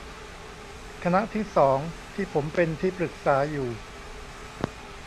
คณะที่สอง ที่ผมเป็นที่ปรึกษาอยู่